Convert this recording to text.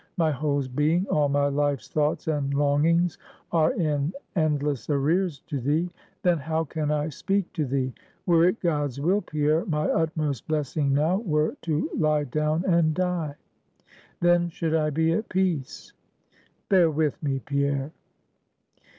My whole being, all my life's thoughts and longings are in endless arrears to thee; then how can I speak to thee? Were it God's will, Pierre, my utmost blessing now, were to lie down and die. Then should I be at peace. Bear with me, Pierre."